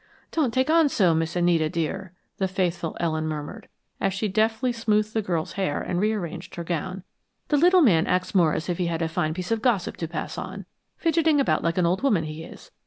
"Don't take on so, Miss Anita, dear," the faithful Ellen murmured, as she deftly smoothed the girl's hair and rearranged her gown; "the little man acts more as if he had a fine piece of gossip to pass on fidgeting about like an old woman, he is.